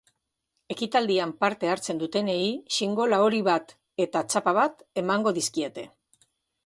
Ekitaldian parte hartzen dutenei xingola hori bat eta txapa bat emango dizkete.